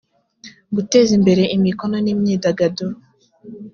guteza imbere imikono n imyidagaduro